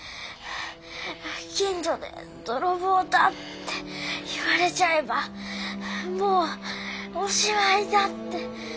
近所で泥棒だって言われちゃえばもうおしまいだって。